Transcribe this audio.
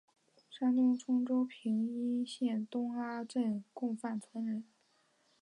山东兖州平阴县东阿镇洪范村人。